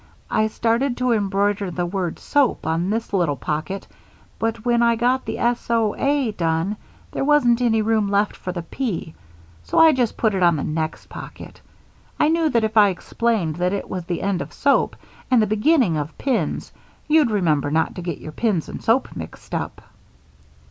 I started to embroider the word soap on this little pocket, but when I got the S O A done, there wasn't any room left for the P, so I just put it on the next pocket. I knew that if I explained that it was the end of 'Soap' and the beginning of 'Pins' you'd remember not to get your pins and soap mixed up."